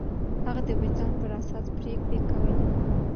هغه د وجدان پر اساس پرېکړې کولې.